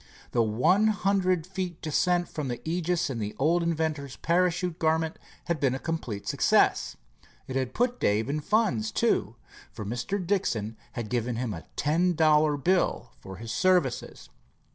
The one hundred feet descent from the Aegis in the old inventor's parachute garment had been a complete success. It had put Dave in funds, too, for Mr. Dixon had given him a ten dollar bill for his services.